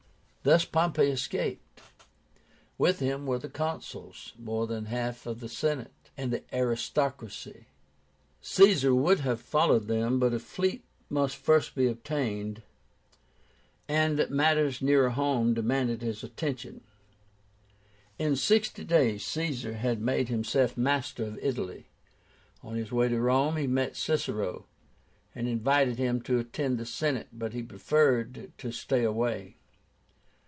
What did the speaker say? Thus Pompey escaped. With him were the Consuls, more than half the Senate, and the aristocracy. Caesar would have followed them, but a fleet must first be obtained, and matters nearer home demanded his attention. In sixty days Caesar had made himself master of Italy. On his way to Rome he met Cicero, and invited him to attend the Senate, but he preferred to stay away.